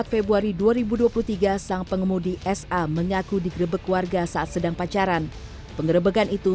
empat februari dua ribu dua puluh tiga sang pengemudi sa mengaku digrebek warga saat sedang pacaran pengerebekan itu